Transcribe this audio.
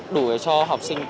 đủ cho học sinh tốt